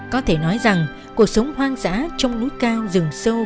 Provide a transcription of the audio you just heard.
có thể nói rằng cuộc sống hoang dã trong núi cao rừng sâu